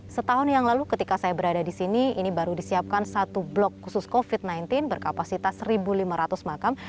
setahun yang lalu ketika saya berada di sini ini baru disiapkan satu blok khusus covid sembilan belas berkapasitas satu lima ratus makam